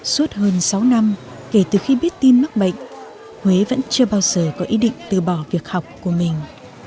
suốt hơn sáu năm kể từ khi biết tin mắc bệnh huế vẫn chưa bao giờ có ý định từ bỏ việc học của mình